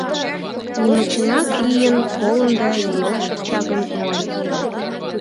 Йымачынак ийын толын да йол шарча гыч руалтен...